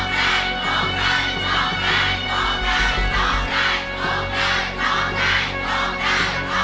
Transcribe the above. เพลงที่๔มูลค่า๖๐๐๐๐บาทนะครับ